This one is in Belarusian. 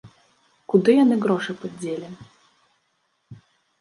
Куды яны грошы падзелі?